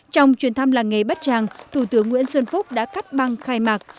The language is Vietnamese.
trong chuyến thăm làng nghề bát tràng thủ tướng nguyễn xuân phúc đã cắt băng khai mạc